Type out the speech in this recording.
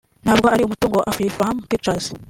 ntabwo ari umutungo wa Afrifame Pictures